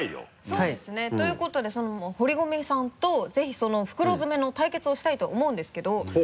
そうですね。ということで堀籠さんとぜひ袋詰めの対決をしたいと思うんですけど。